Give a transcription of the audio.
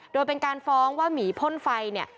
โดยเป็นการฟ้องว่าหมีพ่นไฟเนี่ย